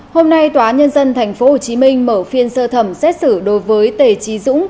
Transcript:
hôm nay tòa nhân dân tp hcm mở phiên sơ thẩm xét xử đối với tề trí dũng